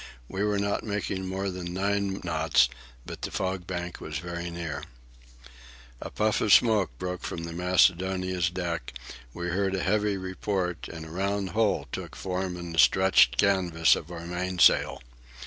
We were not making more than nine knots, but the fog bank was very near. A puff of smoke broke from the Macedonia's deck, we heard a heavy report, and a round hole took form in the stretched canvas of our mainsail.